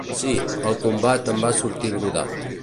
Sí, el combat em va sortir brodat.